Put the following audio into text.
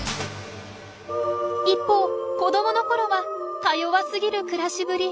一方子どものころはかよわすぎる暮らしぶり。